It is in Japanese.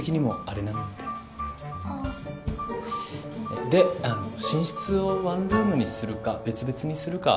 えっであの寝室をワンルームにするか別々にするか。